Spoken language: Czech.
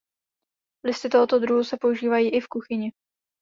Listy tohoto druhu se používají i v kuchyni.